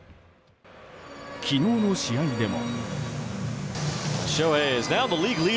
昨日の試合でも。